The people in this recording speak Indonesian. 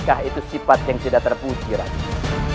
bukankah itu sifat yang tidak terpuji raden